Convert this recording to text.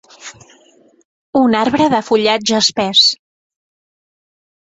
Un arbre de fullatge espès.